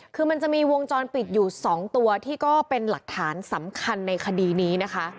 คือมันจะมีวงจรปิดอยู่๒ตัวที่ก็เป็นหลักฐานสำคัญในคดีนี้นะคะ